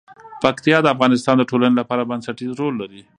پکتیا د افغانستان د ټولنې لپاره بنسټيز رول لري.